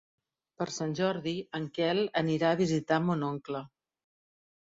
Per Sant Jordi en Quel anirà a visitar mon oncle.